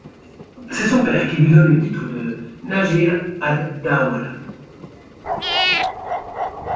C'est son père qui lui donne le titre de Nâsir ad-Dawla.